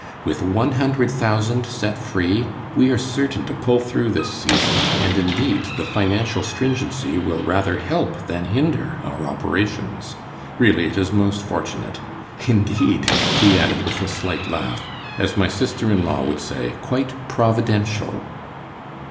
With one hundred thousand set free we are certain to pull through this season, and indeed, the financial stringency will rather help than hinder our operations. Really it is most fortunate. Indeed," he added, with a slight laugh, "as my sister in law would say, quite providential!"